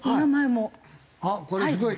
あっこれすごい。